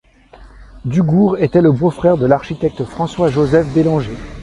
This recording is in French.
Dugourc était le beau-frère de l'architecte François-Joseph Bélanger.